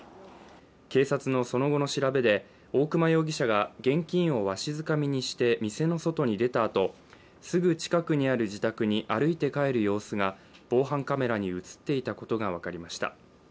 警察のその後の調べで大熊容疑者が現金をわしづかみにして店の外に出たあとすぐ近くにある自宅に歩いて帰る様子が防犯カメラに映っていたことが分かりました。